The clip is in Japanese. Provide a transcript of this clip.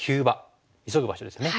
急ぐ場所ですね。